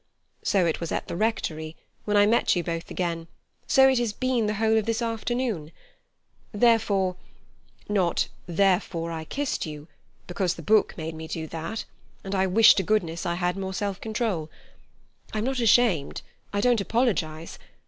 So it was at the Rectory, when I met you both again; so it has been the whole of this afternoon. Therefore—not 'therefore I kissed you,' because the book made me do that, and I wish to goodness I had more self control. I'm not ashamed. I don't apologize.